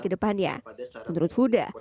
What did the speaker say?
ke depannya menurut huda